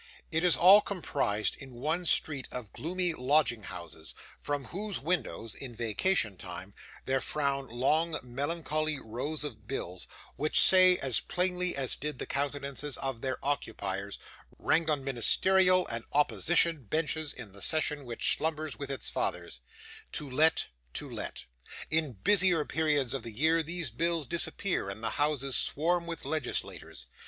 It is all comprised in one street of gloomy lodging houses, from whose windows, in vacation time, there frown long melancholy rows of bills, which say, as plainly as did the countenances of their occupiers, ranged on ministerial and opposition benches in the session which slumbers with its fathers, 'To Let', 'To Let'. In busier periods of the year these bills disappear, and the houses swarm with legislators.